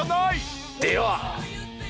では。